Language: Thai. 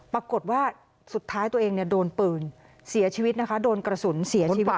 ปรากฏว่าสุดท้ายตัวเองโดนปืนเสียชีวิตนะคะโดนกระสุนเสียชีวิต